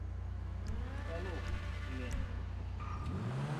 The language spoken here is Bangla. চলো, এলেন।